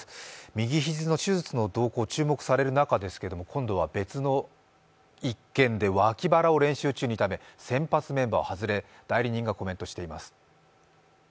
右肘の手術の動向が注目される中ですけど、今度は別の件で、脇腹を練習中に痛め、先発メンバーを外れ代理人がコメントしています。